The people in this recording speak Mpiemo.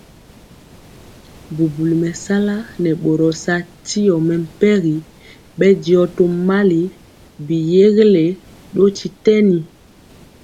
Bubuli bɛsala nɛ boro sa tyɛɔ mɛmpegi bɛndiɔ tomali biyeguelé dotytɛni.